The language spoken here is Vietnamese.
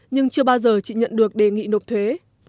nhưng chưa bao giờ chị nhận được đề nghị nộp thuế